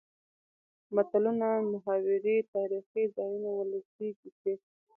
متلونه ،محاورې تاريخي ځايونه ،ولسي کسې.